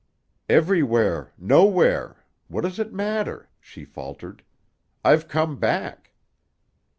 "Everywhere. Nowhere. What does it matter?" she faltered. "I've come back."